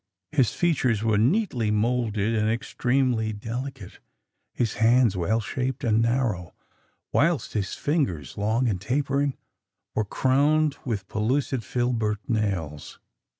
"His features were neatly moulded and extremely delicate; his hands well shaped and narrow, whilst his fingers, long and tapering, were crowned with pellucid filbert nails.